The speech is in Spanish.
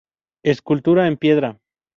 Escultura en piedra.